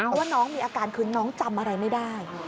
ว่าน้องมีอาการคือน้องจำอะไรไม่ได้